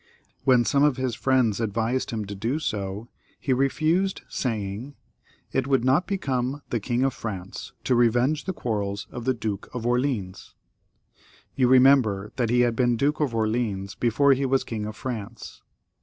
When some of his friends advised him to do so, he refused, saying, " It would not become the King of France to revenge the quarrels of the Duke of Orleans." You remember that he had been Duke of Orleans before he was King of France.